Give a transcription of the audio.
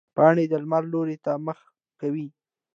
پاڼې د لمر لوري ته مخ کوي